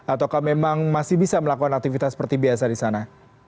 ataukah memang masih bisa melakukan aktivitas seperti biasa di sana